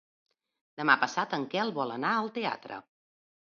Demà passat en Quel vol anar al teatre.